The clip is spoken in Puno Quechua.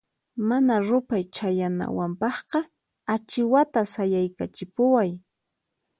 Mana ruphay chayanawanpaqqa achiwata sayaykachipuway.